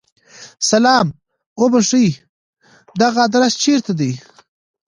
سلام! اوبښئ! دغه ادرس چیرته دی؟